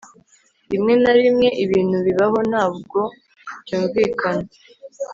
Rimwe na rimwe ibintu bibaho ntabwo byumvikana